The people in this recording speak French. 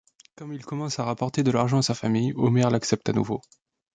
Comme il commence à rapporter de l'argent à sa famille, Homer l'accepte à nouveau.